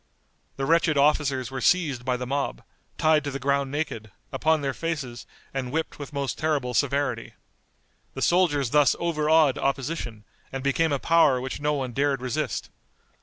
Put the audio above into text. The wretched officers were seized by the mob, tied to the ground naked, upon their faces, and whipped with most terrible severity. The soldiers thus overawed opposition, and became a power which no one dared resist.